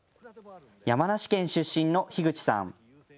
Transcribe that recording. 山梨県出身の樋口さん。